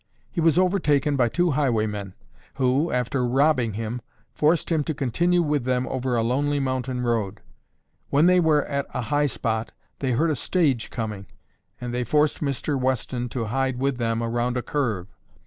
He was overtaken by two highwaymen, who, after robbing him, forced him to continue with them over a lonely mountain road. When they were at a high spot, they heard a stage coming and they forced Mr. Weston to hide with them around a curve.